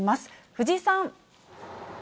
藤井さん。